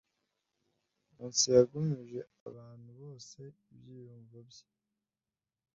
Nkusi yagumije abantu bose ibyiyumvo bye.